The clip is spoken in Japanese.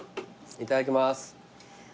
いただきます。